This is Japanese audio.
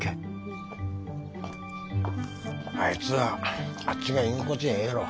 あいつはあっちが居心地がええんやろ。